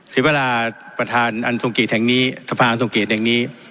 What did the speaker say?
ศิวราประธานอันทรงเกียรติแห่งนี้สภาอันทรงเกตแห่งนี้